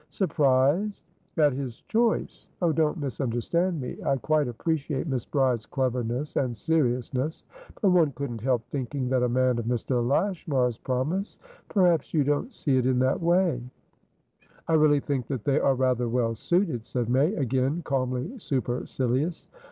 "Surprised?" "At his choice. Oh, don't misunderstand me. I quite appreciate Miss Bride's cleverness and seriousness. But one couldn't help thinking that a man of Mr. Lashmar's promise. Perhaps you don't see it in that way?" "I really think they are rather well suited," said May, again calmly supercilious.